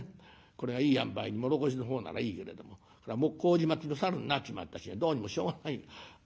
これがいいあんばいに唐土の方ならいいけれども麹町のサルになっちまった日にはどうにもしょうがない。